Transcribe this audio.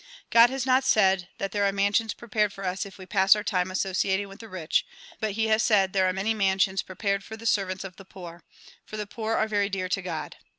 God has not said that there are mansions prepared for us if we pass our time associating with the rich but he has said there are many mansions prepared for the servants of the poor, for the poor are very dear to God.